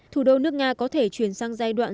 thủ đô nước nga có thể chuyển sang giai đoạn